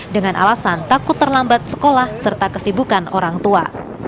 dengan alasan takut terlambat sekolah serta kesibukan orang tua